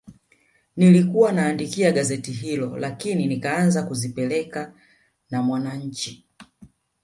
Nilikuwa naandikia gazeti hilo lakini nikaanza kuzipeleka na Mwananchi